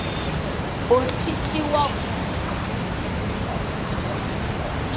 Otiti wa kü,